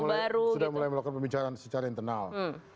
ya memang kita sudah mulai melakukan pembicaraan secara internal